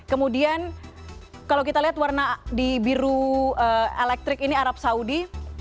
kemudian kalau kita lihat warna di biru elektrik ini arab saudi